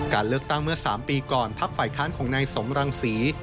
การเลือกตั้งเมื่อ๓ปีก่อนพักฝ่ายค้านของนายสมรังศรี